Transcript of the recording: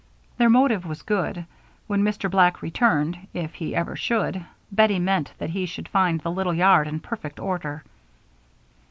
Their motive was good. When Mr. Black returned, if he ever should, Bettie meant that he should find the little yard in perfect order.